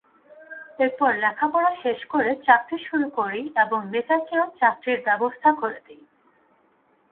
এরপর লেখাপড়া শেষ করে চাকরি শুরু করি এবং মেয়েটাকেও চাকরির ব্যবস্থা করে দিই।